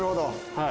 はい。